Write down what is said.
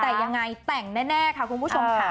แต่ยังไงแต่งแน่ค่ะคุณผู้ชมค่ะ